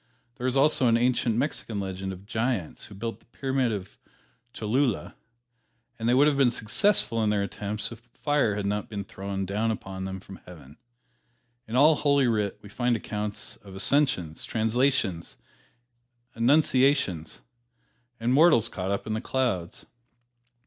There is also an ancient Mexican legend of giants who built the Pyramid of Cholula, and they would have been successful in their attempts if fire had not been thrown down upon them from Heaven. In all "Holy Writ" we find accounts of "ascensions," "translations," "annunciations," and mortals caught up into the clouds.